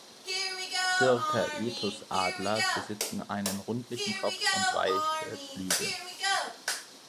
„Circaetus“-Adler besitzen einen rundlichen Kopf und weite Flügel.